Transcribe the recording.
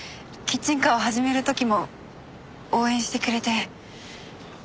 キッチンカーを始める時も応援してくれて。